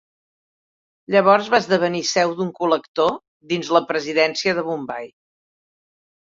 Llavors va esdevenir seu d'un Col·lector dins la presidència de Bombai.